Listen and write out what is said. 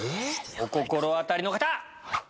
お心当たりの方！